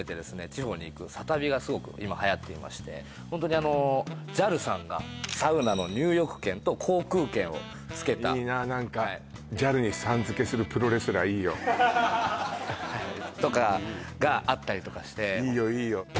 地方に行くサ旅がすごく今はやっていましてホントにＪＡＬさんがサウナの入浴券と航空券をつけたいいな何かＪＡＬにさんづけするプロレスラーいいよとかがあったりとかしていいよいいよ